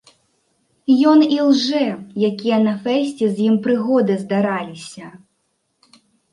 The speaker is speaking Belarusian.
Ён ілжэ, якія на фэсце з ім прыгоды здараліся.